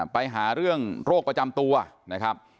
ไปหาเรื่องโรคประจำตัวนะครับ